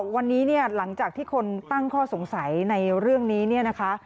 วันนี้หลังจากที่คนตั้งข้อสงสัยในเรื่องนี้